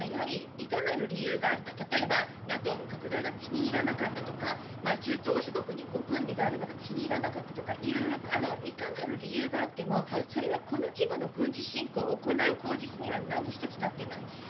いかなる理由があっても例えばＮＡＴＯの拡大が気に入らなかったとか、中東諸国に軍備があるのか気に入らなかったとか、いかなる理由があっても、この規模の軍事侵攻を行う口実には何一つなっていない。